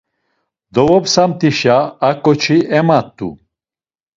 Dovopsamt̆işa a ǩoçi emat̆u.